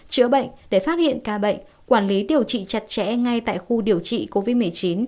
chữa bệnh để phát hiện ca bệnh quản lý điều trị chặt chẽ ngay tại khu điều trị covid một mươi chín